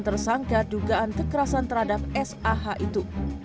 tersangka dugaan kekerasan terhadap sah itu